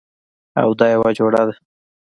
او دا یوه جوړه ده